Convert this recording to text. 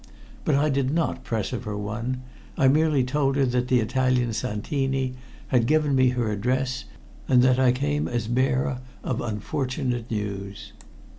But I did not press her for one. I merely told her that the Italian Santini had given me her address and that I came as bearer of unfortunate news.